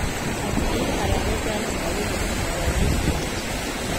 Ati “Hari abajyanama b’ubuzima babegereye